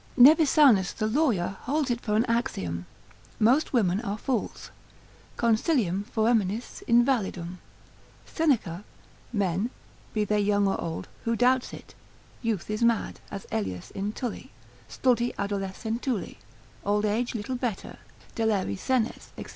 Nevisanus the lawyer holds it for an axiom, most women are fools, consilium foeminis invalidum; Seneca, men, be they young or old; who doubts it, youth is mad as Elius in Tully, Stulti adolescentuli, old age little better, deleri senes, &c.